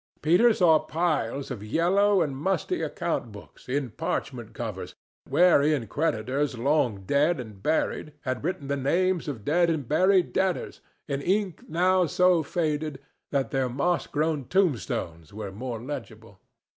Peter saw piles of yellow and musty account books in parchment covers, wherein creditors long dead and buried had written the names of dead and buried debtors in ink now so faded that their moss grown tombstones were more legible.